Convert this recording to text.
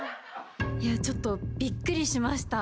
いやちょっとびっくりしました。